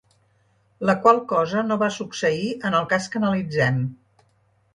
La qual cosa no va succeir en el cas que analitzem.